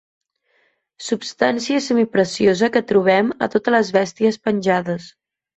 Substància semipreciosa que trobem a totes les bèsties penjades.